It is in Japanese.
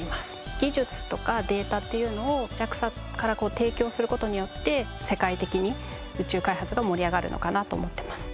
技術とかデータっていうのをＪＡＸＡから提供する事によって世界的に宇宙開発が盛り上がるのかなと思ってます。